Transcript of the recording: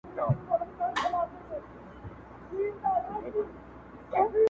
د زلفو غرونو يې پر مخ باندي پردې جوړي کړې.